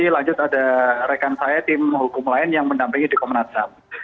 lanjut ada rekan saya tim hukum lain yang mendampingi di komnas ham